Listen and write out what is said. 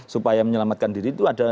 supaya menyelamatkan diri itu ada